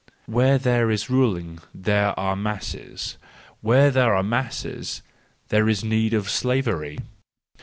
Where there is ruling there are masses: where there are masses there is need of slavery.